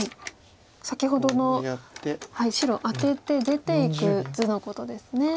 先ほどの白アテて出ていく図のことですね。